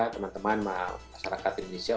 teman teman masyarakat indonesia